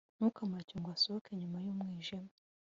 ntukamureke ngo asohoke nyuma y'umwijima